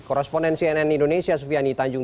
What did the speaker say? koresponden cnn indonesia sufiani tanjung